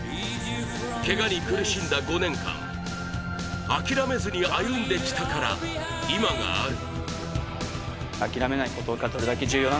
けがに苦しんだ５年間諦めずに歩んできたから今がある。